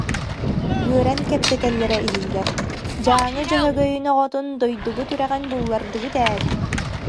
Үөрэн кэпсэтэллэрэ иһиллэр: «Дьааҥы Дьөһөгөйүн оҕотун дойдубут үрэҕин буллардыбыт ээт»